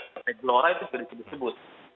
partai gelora itu sudah disebut sebut